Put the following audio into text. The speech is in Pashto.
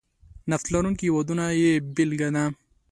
نفت لرونکي هېوادونه یې بېلګه ده.